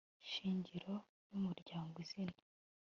shingiro y Umuryango Izina